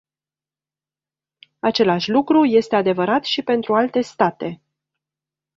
Același lucru este adevărat și pentru alte state.